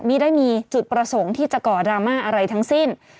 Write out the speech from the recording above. ไม่ได้มีจุดประสงค์ที่จะก่อดราม่าอะไรทั้งสิ้น